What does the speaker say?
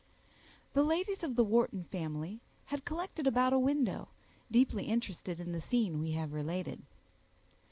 The ladies of the Wharton family had collected about a window, deeply interested in the scene we have related.